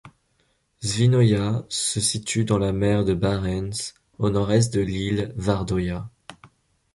Svinøya se situe dans la mer de Barents, au nord-est de l'île Vardøya.